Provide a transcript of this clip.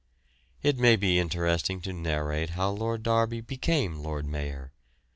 It may be interesting to narrate how Lord Derby became Lord Mayor.